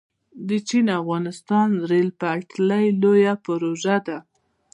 د چین - افغانستان ریل پټلۍ لویه پروژه ده